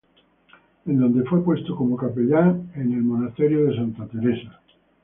En donde fue puesto como capellán en el Monasterio de Santa Teresa.